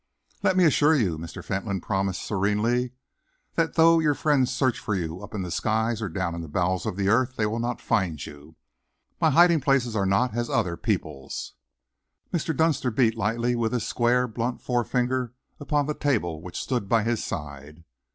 "Let me assure you," Mr. Fentolin promised serenely, "that though your friends search for you up in the skies or down in the bowels of the earth, they will not find you. My hiding places are not as other people's." Mr. Dunster beat lightly with his square, blunt forefinger upon the table which stood by his side.